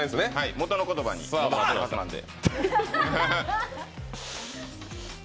元の言葉に戻ってるはずなんで。